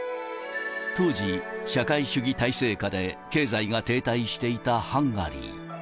当時、社会主義体制下で経済が停滞していたハンガリー。